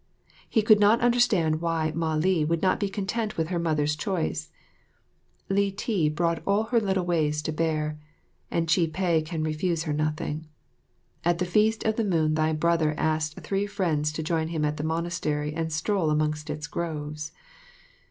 He could not understand why Mah li would not be content with her mother's choice. Li ti brought all her little ways to bear and Chih peh can refuse her nothing. At the Feast of the Moon thy brother asked three friends to join him at the monastery and stroll amongst its groves.